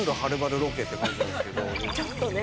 ちょっとね。